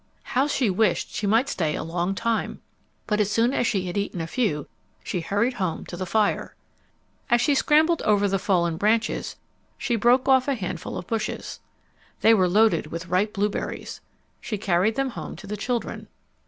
How she wished she might stay a long time! But as soon as she had eaten a few, she hurried home to the fire. As she scrambled over the fallen trees, she broke off a handful of bushes. They were loaded with ripe blueberries. She carried them home to the children.